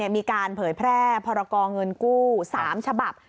มีการเผยแพร่พรกรเงินกู้๓ฉบับ